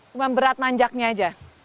cuman berat nanjaknya aja